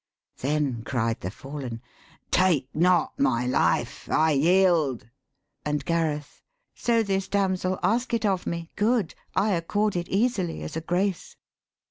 Then cried the fall'n, 'Take not my life: I yield.' And Gareth, 'So this damsel ask it of me Good I accord it easily as a grace.